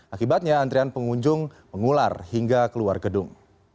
akibatnya antrian pengunjung mengular hingga keluar gedung